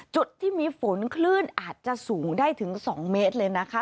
จุดที่มีฝนคลื่นอาจจะสูงได้ถึง๒เมตรเลยนะคะ